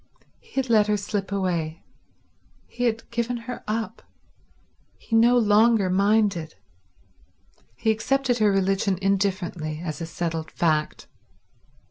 He had let her slip away; he had given her up; he no longer minded; he accepted her religion indifferently, as a settled fact.